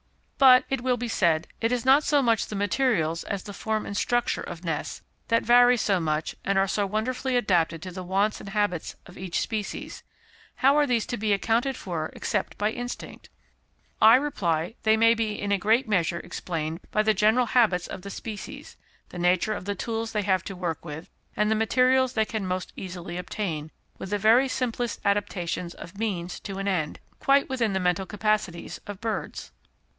But, it will be said, it is not so much the materials as the form and structure of nests, that vary so much, and are so wonderfully adapted to the wants and habits of each species; how are these to be accounted for except by instinct? I reply, they may be in a great measure explained by the general habits of the species, the nature of the tools they have to work with, and the materials they can most easily obtain, with the very simplest adaptations of means to an end, quite within the mental capacities of birds.